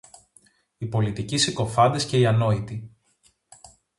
Οι πολιτικοί συκοφάντες και οι ανόητοι.